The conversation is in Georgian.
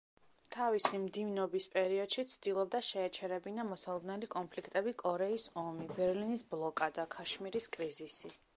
თავისი მდივნობის პერიოდში ცდილობდა შეეჩერებინა მოსალოდნელი კონფლიქტები კორეის ომი, ბერლინის ბლოკადა, ქაშმირის კრიზისი.